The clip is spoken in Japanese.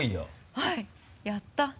はいやった！